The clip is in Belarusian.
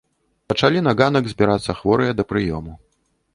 Пачалі на ганак збірацца хворыя да прыёму.